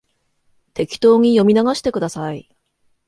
適当に読み流してください